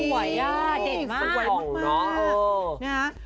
ดีมาก